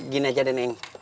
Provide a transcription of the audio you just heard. gini aja deh neng